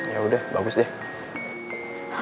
yaudah bagus deh